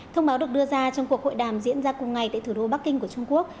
thông báo được đưa ra trong cuộc hội đàm diễn ra cùng ngày tại thủ đô bắc kinh của trung quốc